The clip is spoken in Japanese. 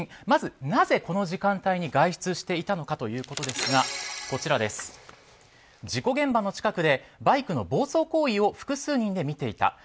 まず、なぜこの時間帯に外出していたということですが事故現場の近くでバイクの暴走行為を複数人で見ていた。